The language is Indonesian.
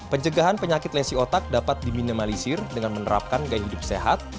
pencegahan penyakit lesi otak dapat diminimalisir dengan menerapkan gaya hidup sehat